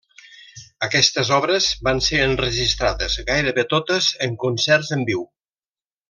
Aquestes obres van ser enregistrades gairebé totes en concerts en viu.